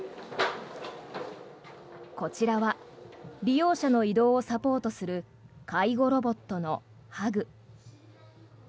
こちらは利用者の移動をサポートする介護ロボットのＨＵＧ。